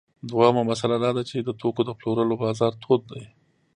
دویمه مسئله دا ده چې د توکو د پلورلو بازار تود دی